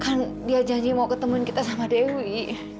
kan dia janji mau ketemu kita sama dewi